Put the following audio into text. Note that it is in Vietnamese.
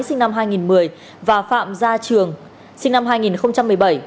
sinh năm hai nghìn một mươi và phạm gia trường sinh năm hai nghìn một mươi bảy